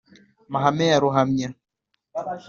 mahame ya ruhamya